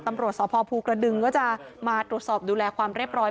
ตำรวจสพภูกระดึงก็จะมาตรวจสอบดูแลความเรียบร้อย